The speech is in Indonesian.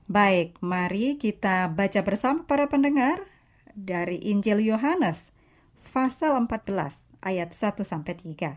baik mari kita baca bersama para pendengar dari injeli johannes pasal empat belas ayat satu sampai tiga